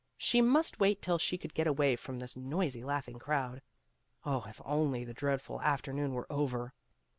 She must wait till she could get away from this noisy, laughing crowd. Oh, if only the dread ful afternoon were over.